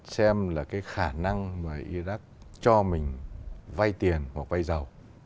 xem là cái khả năng mà iraq cho mình vay tiền hoặc vay dầu